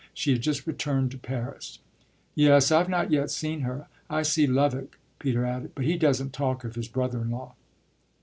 She had just returned to Paris." "Yes, I've not yet seen her. I see Lovick," Peter added, "but he doesn't talk of his brother in law."